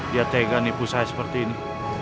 dia tegan ibu saya seperti ini